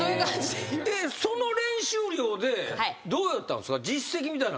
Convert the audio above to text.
えっその練習量でどうやったんですか？